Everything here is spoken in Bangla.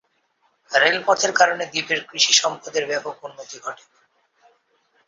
রেলপথের কারণে দ্বীপের কৃষি সম্পদের ব্যাপক উন্নতি ঘটে।